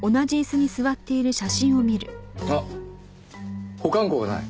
あっ保管庫がない。